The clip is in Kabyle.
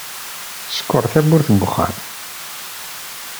Sekker tawwurt n uxxam.